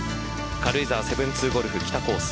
軽井沢７２ゴルフ北コース